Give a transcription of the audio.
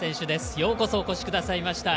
ようこそ、お越しくださいました。